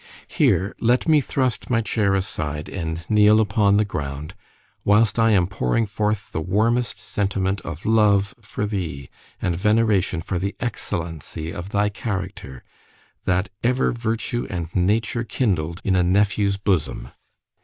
—Here let me thrust my chair aside, and kneel down upon the ground, whilst I am pouring forth the warmest sentiment of love for thee, and veneration for the excellency of thy character, that ever virtue and nature kindled in a nephew's bosom.